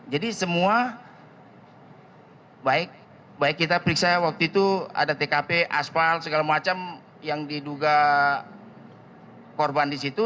jadi semua baik kita periksa waktu itu ada tkp asfal segala macam yang diduga korban di situ